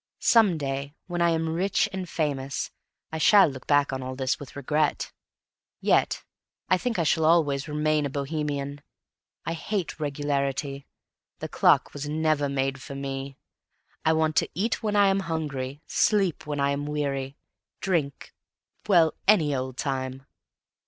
Some day, when I am rich and famous, I shall look back on all this with regret. Yet I think I shall always remain a Bohemian. I hate regularity. The clock was never made for me. I want to eat when I am hungry, sleep when I am weary, drink well, any old time.